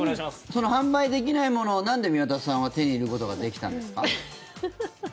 その販売できないものをなんで宮田さんは手に入れることができたんですか？